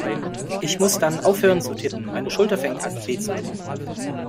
Ich muss dann aufhören zu tippen, meine Schulter fängt an weh zu tun.